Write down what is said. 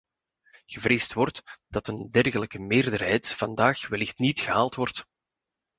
Gevreesd wordt dat een dergelijke meerderheid vandaag wellicht niet gehaald wordt.